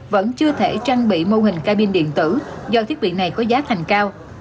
vẫn chưa thể trang bị mô hình cabin điện tử do thiết bị này có giá thành cao